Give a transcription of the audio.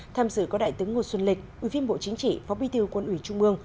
tham dự có đại tướng nguồn xuân lịch ủy viên bộ chính trị phó bí thư quân ủy trung ương